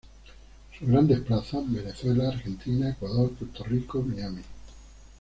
Sus grandes plazas: Venezuela, Argentina, Ecuador, Puerto Rico, Miami.